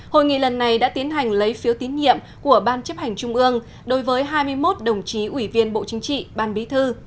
hội nghị lần này đã tiến hành lấy phiếu tín nhiệm của ban chấp hành trung ương đối với hai mươi một đồng chí ủy viên bộ chính trị ban bí thư